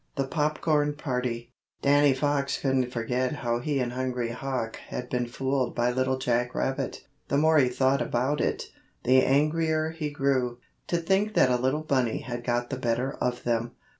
THE POPCORN PARTY Danny Fox couldn't forget how he and Hungry Hawk had been fooled by Little Jack Rabbit. The more he thought about it, the angrier he grew. To think that a little bunny had got the better of them!